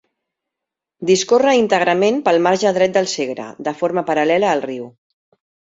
Discorre íntegrament pel marge dret del Segre, de forma paral·lela al riu.